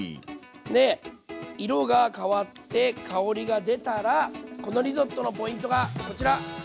で色が変わって香りが出たらこのリゾットのポイントがこちら。